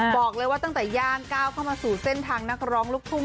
บอกเลยว่าตั้งแต่ย่างก้าวเข้ามาสู่เส้นทางนักร้องลูกทุ่ง